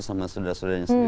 sama saudara saudaranya sendiri